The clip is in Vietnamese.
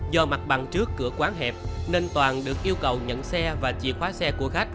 do mặt bằng trước cửa quán hẹp nên toàn được yêu cầu nhận xe và chìa khóa xe của khách